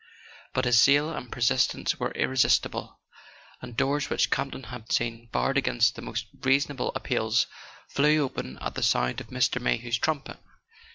But his zeal and persistence were irresistible, and doors which Campton had seen barred against the most reasonable appeals flew open at the sound of Mr. Mayhew's trumpet.